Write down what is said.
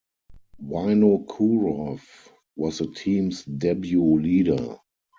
Vinokourov was the team's debut leader.